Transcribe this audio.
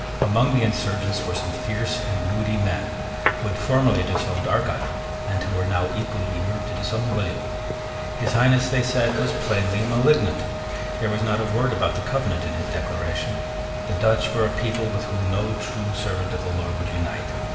Among the insurgents were some fierce and moody men who had formerly disowned Argyle, and who were now equally eager to disown William. His Highness, they said, was plainly a malignant. There was not a word about the Covenant in his Declaration. The Dutch were a people with whom no true servant of the Lord would unite.